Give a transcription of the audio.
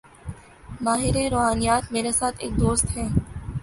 ماہر روحانیات: میرے ساتھ ایک دوست ہیں۔